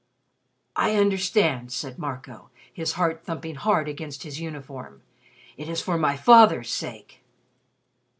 "I understand," said Marco, his heart thumping hard against his uniform. "It is for my father's sake."